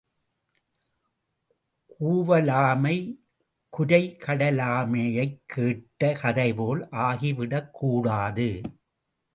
கூவலாமை, குரை கடலாமையைக் கேட்ட கதை போல் ஆகிவிடக்கூடாது.